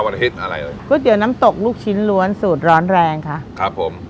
อาทิตย์อะไรเลยก๋วยเตี๋ยวน้ำตกลูกชิ้นล้วนสูตรร้อนแรงค่ะครับผม